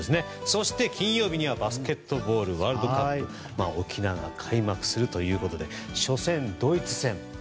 そして金曜はバスケットボールワールドカップ沖縄が開幕するということで初戦、ドイツ戦。